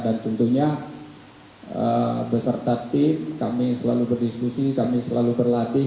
dan tentunya beserta tim kami selalu berdiskusi kami selalu berlatih